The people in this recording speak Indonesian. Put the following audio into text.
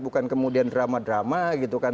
bukan kemudian drama drama gitu kan